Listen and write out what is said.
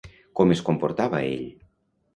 Com es comportava ell?